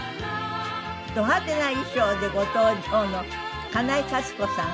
ド派手な衣装でご登場の金井克子さん